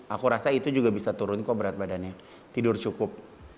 aku rasa itu juga bisa turun kok berat badannya tidur cukup